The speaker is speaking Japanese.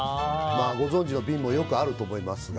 ご存じの瓶もよくあると思いますが。